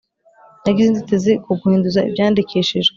Nagize inzitizi ku guhinduza ibyandikishijwe